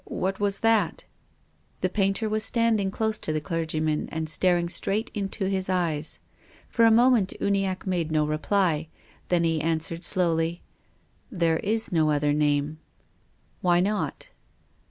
What is that ?" The painter was standing close to the clergyman and staring straight into his eyes. For a moment Uniacke made no reply. Then he answered slowl}' :" There is no other name." '•Why not?"